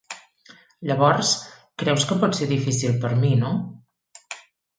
Llavors, creus que pot ser difícil per a mi, no?